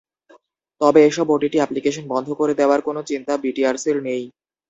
তবে এসব OTT application বন্ধ করে দেওয়ার কোনো চিন্তা বিটিআরসির নেই।